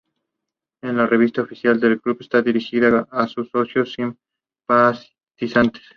Es la revista oficial del club y está dirigida a sus socios y simpatizantes.